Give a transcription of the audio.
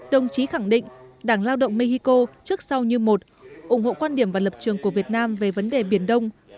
đồng chí khẳng định đảng lao động mexico trước sau như một ủng hộ quan điểm và lập trường của việt nam về vấn đề biển đông